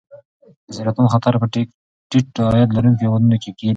د سرطان خطر په ټیټ عاید لرونکو هېوادونو کې ډېر دی.